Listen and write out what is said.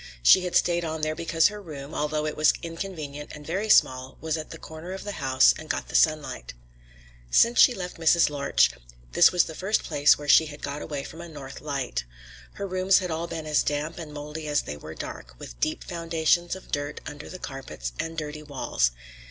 She had stayed on there because her room, although it was inconvenient and very small, was at the corner of the house and got the sunlight. Since she left Mrs. Lorch, this was the first place where she had got away from a north light. Her rooms had all been as damp and mouldy as they were dark, with deep foundations of dirt under the carpets, and dirty walls.